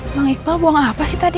bang iqbal buang apa sih tadi